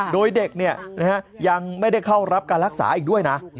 โดยเด็กยังไม่ได้เข้ารับการรักษาอีกด้วยนะ